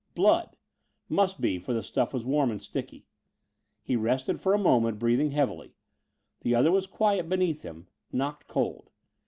Blood! Must be, for the stuff was warm and sticky. He rested for a moment, breathing heavily. The other was quiet beneath him knocked cold.